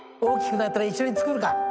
大きくなったら一緒に作るか。